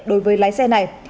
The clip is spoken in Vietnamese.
đối với lái xe này